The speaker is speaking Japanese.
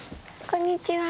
こんにちは。